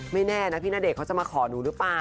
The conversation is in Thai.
แน่นะพี่ณเดชนเขาจะมาขอหนูหรือเปล่า